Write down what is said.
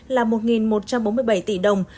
là một một trăm bốn mươi bảy tỷ đồng